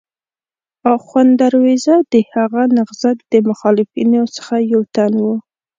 اخوند درویزه د هغه نهضت د مخالفینو څخه یو تن و.